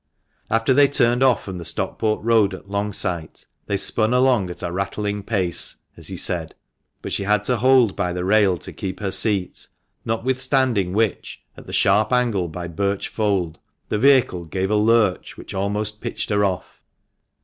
After they turned off from the Stockport Road at Longsight, they " spun along at a rattling pace," as he said ; but she had to hold by the rail to keep her seat, notwithstanding which, at the sharp angle by Birch Fold, the vehicle gave a lurch which almost pitched her off.